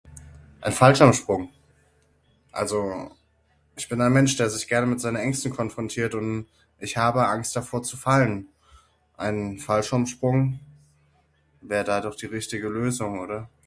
Ein Fallschirmsprung, also ich bin ein Mensch der sich gerne mit seinen Ängsten konfrontiert und ich habe Angst davor zu fallen. Ein Fallschirmsprung wär da doch die richtige Lösung, oder?